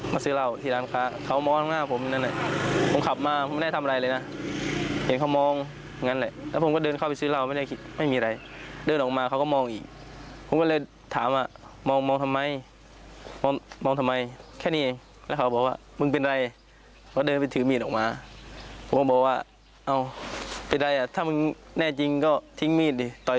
ซื้อเหล้าที่ร้านค้าเขามองหน้าผมนั่นแหละผมขับมาผมไม่ได้ทำอะไรเลยนะเห็นเขามองอย่างนั้นแหละแล้วผมก็เดินเข้าไปซื้อเหล้าไม่ได้คิดไม่มีอะไรเดินออกมาเขาก็มองอีกผมก็เลยถามว่ามองมองทำไมมองทำไมแค่นี้เองแล้วเขาบอกว่ามึงเป็นอะไรเขาเดินไปถือมีดออกมาผมก็บอกว่าเอาใดอ่ะถ้ามึงแน่จริงก็ทิ้งมีดดิต่อย